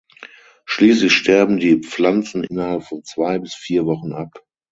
Schließlich sterben die Pflanzen innerhalb von zwei bis vier Wochen ab.